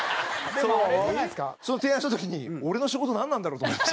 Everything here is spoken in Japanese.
その提案した時に俺の仕事なんなんだろう？と思いました。